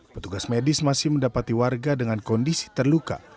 petugas medis masih mendapati warga dengan kondisi terluka